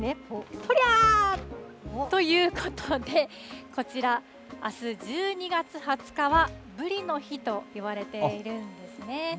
とりゃー。ということで、こちら、あす１２月２０日はブリの日といわれているんですね。